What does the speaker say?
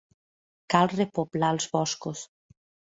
Cal repoblar els boscos.